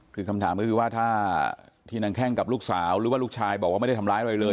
คือคำถามก็คือว่าถ้าที่นางแข้งกับลูกสาวหรือว่าลูกชายบอกว่าไม่ได้ทำร้ายอะไรเลย